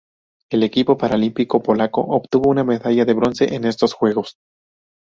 El equipo paralímpico polaco obtuvo una medalla de bronce en estos Juegos.